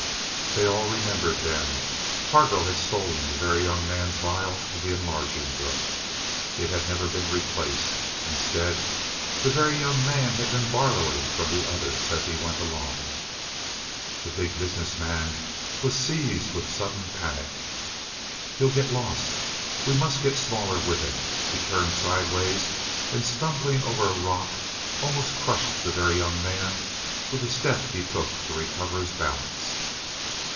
They all remembered then. Targo had stolen the Very Young Man's vial of the enlarging drug. It had never been replaced. Instead the Very Young Man had been borrowing from the others as he went along. The Big Business Man was seized with sudden panic. "He'll get lost. We must get smaller with him." He turned sidewise, and stumbling over a rock almost crushed the Very Young Man with the step he took to recover his balance.